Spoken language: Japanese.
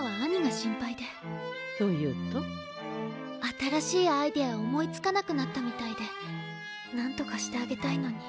新しいアイデアを思いつかなくなったみたいでなんとかしてあげたいのに。